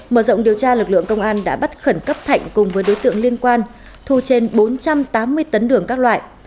mở rộng điều tra lực lượng công an đã bắt khẩn cấp thạnh cùng với đối tượng liên quan thu trên bốn trăm tám mươi tấn đường các loại